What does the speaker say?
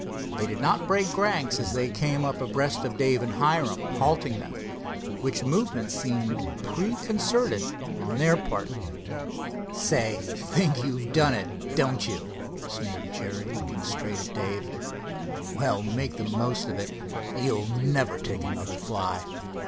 They did not break ranks as they came up abreast of Dave and Hiram, halting them, which movement seemed preconcerted on their part. "Say, think you've done it, don't you?" sneered Jerry, looking straight at Dave. "Well, make the most of it. You'll never take another fly."